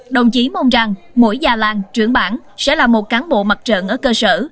đồng chí mong rằng mỗi già làng trưởng bản sẽ là một cán bộ mặt trận ở cơ sở